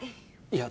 いや